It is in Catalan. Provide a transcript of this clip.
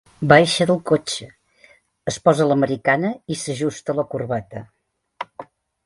Baixa del cotxe, es posa l'americana i s'ajusta la corbata.